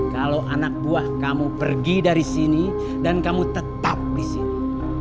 kalau anak buah kamu pergi dari sini dan kamu tetap di sini